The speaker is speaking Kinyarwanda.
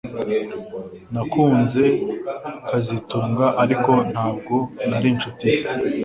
Nakunze kazitunga ariko ntabwo nari inshuti ye